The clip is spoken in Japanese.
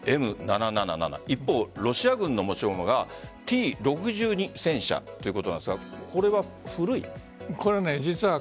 Ｍ７７７、ロシア軍の持ち駒がＴ‐６２戦車ということなんですがこれは古い？